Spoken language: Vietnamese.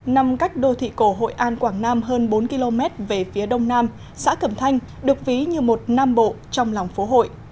nằm cách đô thị cổ hội an quảng nam hơn bốn km về phía đông nam xã cẩm thanh được ví như một nam bộ trong lòng phố hội